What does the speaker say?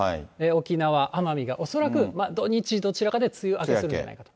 沖縄・奄美が恐らく土日、どちらかで梅雨明けするんじゃないかと。